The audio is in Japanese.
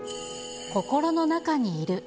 心の中にいる。